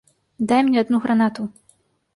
Дай мне адну гранату.